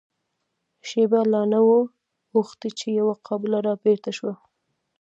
شېبه لا نه وه اوښتې چې يوه قابله را بېرته شوه.